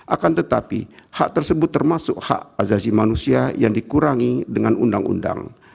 akan tetapi hak tersebut termasuk hak azazi manusia yang dikurangi dengan undang undang